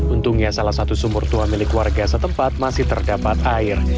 untungnya salah satu sumur tua milik warga setempat masih terdapat air